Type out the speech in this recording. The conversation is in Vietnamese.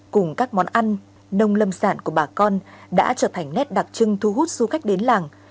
cùng các món ăn nông lâm sản của bà con đã trở thành nét đặc trưng thu hút du khách đến làng